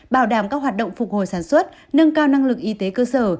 bảo đảm các hoạt động phục hồi sản xuất nâng cao năng lực y tế cơ sở